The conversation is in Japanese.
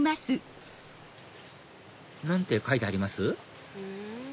何て書いてあります？